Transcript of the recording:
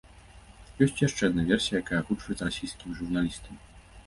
Ёсць і яшчэ адна версія, якая агучваецца расійскімі журналістамі.